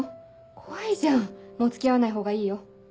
怖いじゃんもう付き合わないほうがいいよ。